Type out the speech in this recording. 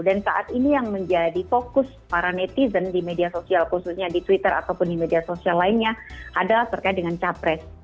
dan saat ini yang menjadi fokus para netizen di media sosial khususnya di twitter ataupun di media sosial lainnya adalah terkait dengan capres